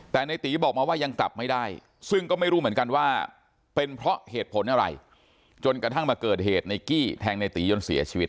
แต่ในตีบอกมาว่ายังกลับไม่ได้ซึ่งก็ไม่รู้เหมือนกันว่าเป็นเพราะเหตุผลอะไรจนกระทั่งมาเกิดเหตุในกี้แทงในตีจนเสียชีวิต